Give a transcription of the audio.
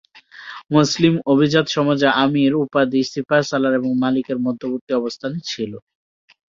মুসলিম অভিজাত সমাজে আমীর উপাধি সিপাহসালার এবং মালিকের মধ্যবর্তী অবস্থানে ছিল।